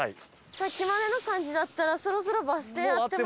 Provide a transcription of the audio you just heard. さっきまでの感じだったらそろそろバス停あっても。